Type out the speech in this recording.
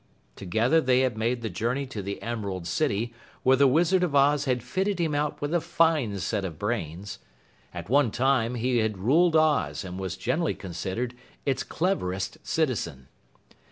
Together they had made the journey to the Emerald City, where the Wizard of Oz had fitted him out with a fine set of brains. At one time, he had ruled Oz and was generally considered its cleverest citizen.